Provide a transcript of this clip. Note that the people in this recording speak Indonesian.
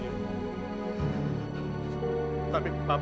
namun dia sudah jawab